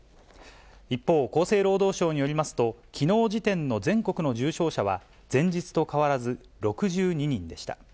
一方、厚生労働省によりますと、きのう時点の全国の重症者は前日と変わらず６２人でした。